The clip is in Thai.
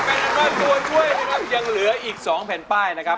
เป็นอันว่าตัวช่วยนะครับยังเหลืออีก๒แผ่นป้ายนะครับ